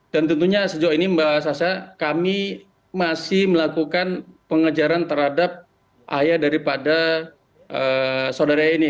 tentunya sejauh ini mbak sasa kami masih melakukan pengejaran terhadap ayah daripada saudara ini